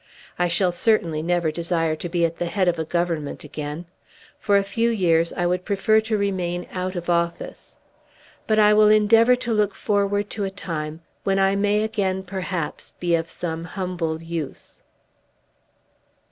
I shall certainly never desire to be at the head of a Government again. For a few years I would prefer to remain out of office. But I will endeavour to look forward to a time when I may again perhaps be of some humble use."